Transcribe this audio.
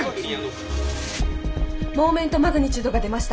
モーメントマグニチュードが出ました。